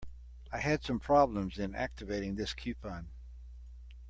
I had some problems in activating this coupon.